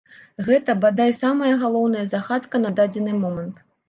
Гэта, бадай, самая галоўная загадка на дадзены момант.